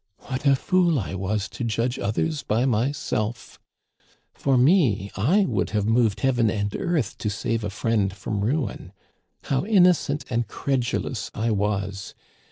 What a fool I was to judge others by myself ! For me, I would have moved heaven and earth to save a friend from ruin. How innocent and credulous I was